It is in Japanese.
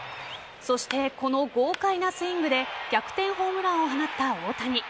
そして、この豪快なスイングで逆転ホームランを放った大谷。